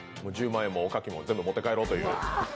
１０万円もおかきも全部持って帰ろうという。